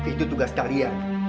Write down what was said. itu tugas kalian